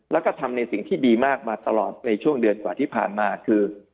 แล้วก็ทำในสิ่งที่ดีมากมาตลอดในช่วงเดือนกว่าที่ผ่านมาคือ